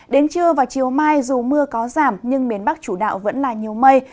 đến trưa và chiều mai dù mưa có giảm nhưng miền bắc chủ đạo vẫn là nhiều mây